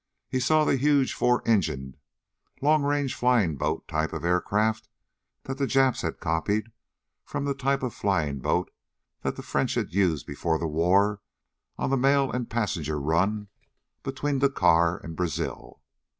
He saw the huge four engined long range flying boat type of craft that the Japs had copied from the type of flying boat that the French had used before the war on the mail and passenger run between Dakar and Brazil.